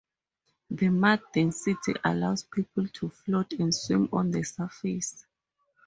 The mud density allows people to float and swim on the surface.